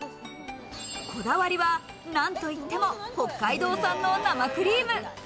こだわりは何と言っても北海道産の生クリーム。